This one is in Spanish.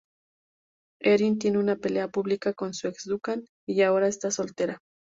Erin tiene una pelea pública con su ex Duncan, y ahora esta soltera.